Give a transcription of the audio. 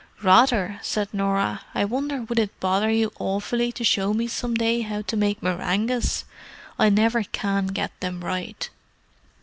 "Rather!" said Norah. "I wonder would it bother you awfully to show me some day how to make meringues? I never can get them right."